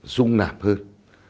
dung nạp hơn